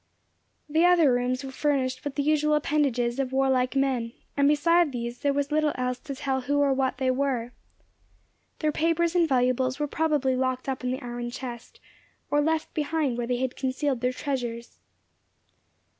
The other rooms were furnished with the usual appendages of warlike men, and beside these there was little else to tell who or what they were. Their papers and valuables were probably locked up in the iron chest, or left behind where they had concealed their treasures.